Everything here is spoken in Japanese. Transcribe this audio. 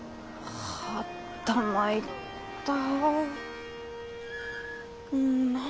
あったまいったい。